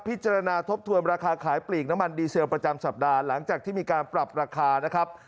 พิจารณาทบทวนราคาขายปลีกน้ำมันดีเซลประจำสัปดาห์หลังจากที่มีการปรับราคานะครับ